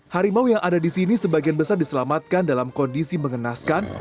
harimau yang ada di sini sebagian besar diselamatkan dalam kondisi mengenaskan